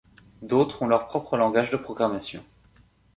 D'autres ont leur propre langage de programmation.